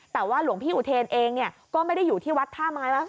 แต่ว่าหลวงพี่อุเทนเองก็ไม่ได้อยู่ที่วัดท่าไม้มาก